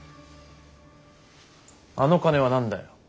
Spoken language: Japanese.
あの金は何だよ？